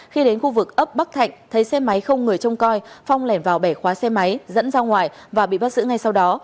khi đến khu vực ấp bắc thạnh thấy xe máy không người trông coi phong lẻn vào bẻ khóa xe máy dẫn ra ngoài và bị bắt giữ ngay sau đó